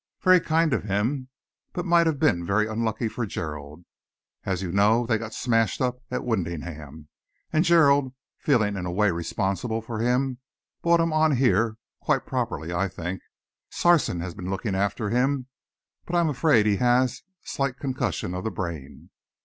Very kind of him, but might have been very unlucky for Gerald. As you know, they got smashed up at Wymondham, and Gerald, feeling in a way responsible for him, brought him on here; quite properly, I think. Sarson has been looking after him, but I am afraid he has slight concussion of the brain."